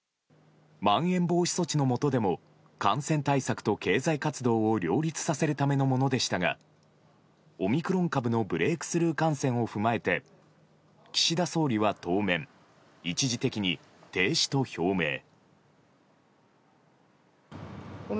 まん延防止措置のもとでも感染対策と経済活動を両立させるためのものでしたがオミクロン株のブレークスルー感染を踏まえて岸田総理は当面一時的に停止と表明。